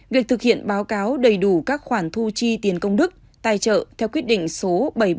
việc thực hiện báo cáo đầy đủ các khoản thu chi tiền công đức tài trợ theo quyết định số bảy trăm bốn mươi bảy